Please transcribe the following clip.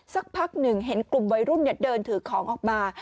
สักพักหนึ่งเห็นกลุ่มวัยรุ่นเดินถือของออกมา